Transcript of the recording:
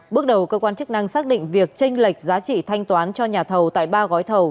bước đầu cơ quan chức năng xác định việc tranh lệch giá trị thanh toán cho nhà thầu tại ba gói thầu